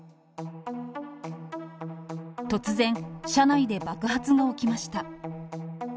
突然、車内で爆発が起きました。